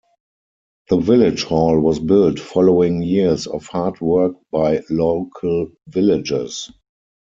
The Village Hall was built following years of hard work by local villagers.